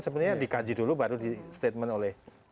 sebenarnya dikaji dulu baru di statement oleh